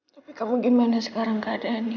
tapi kamu gimana sekarang keadaannya